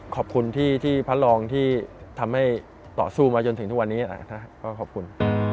ขอบคุณที่พระรองที่ทำให้ต่อสู้มาจนถึงทุกวันนี้นะครับก็ขอบคุณ